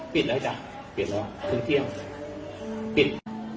ปิดแล้วจ้ะปิดแล้วถึงเที่ยงปิด